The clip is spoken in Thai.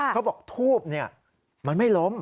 เขาบอกทูบมันไม่ล้ม